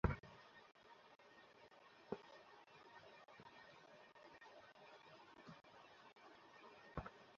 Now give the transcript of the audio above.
এসব তাকে কেন বলছ?